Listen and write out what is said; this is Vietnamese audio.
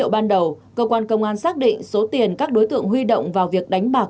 ban đầu cơ quan công an xác định số tiền các đối tượng huy động vào việc đánh bạc